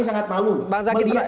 sangat malu kami sangat malu melihat